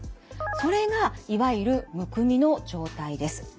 それがいわゆるむくみの状態です。